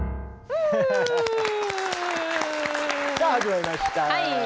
はい。